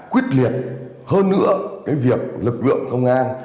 quyết liệt hơn nữa cái việc lực lượng công an